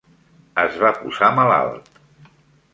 Es va posar malalt.